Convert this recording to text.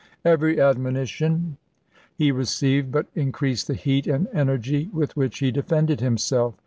Every admonition he received but increased the heat and energy with which he defended himself.